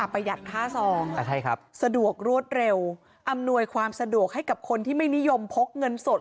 ประหยัดค่าซองสะดวกรวดเร็วอำนวยความสะดวกให้กับคนที่ไม่นิยมพกเงินสด